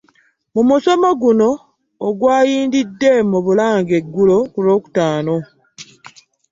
Mu musomo guno ogwayindidde mu Bulange eggulo ku Lwokutaano.